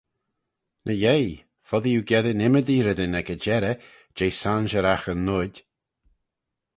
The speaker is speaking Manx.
Ny yeih, foddee oo geddyn ymmodee reddyn ec y jerrey, jeh sonsheraght yn noid.